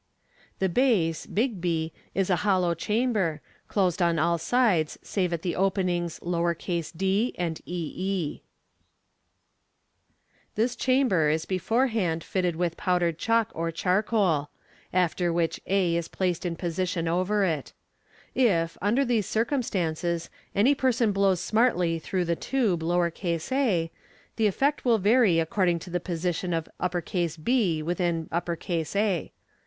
The base, B, is a hollow chamber, closed on all sides save at the openings d and e e. This chamber is beforehand fitted with powdered chalk or charcoal ; after which A is placed in position over it If, under these circumstances, any per son blows smartly through the tube a, the effect will vary according to the posi tion of B within A.